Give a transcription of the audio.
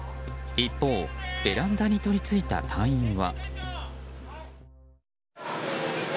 一方、ベランダにとりついた隊員は。